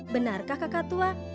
benarkah kakak tua